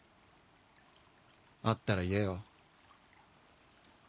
あったら言えよ。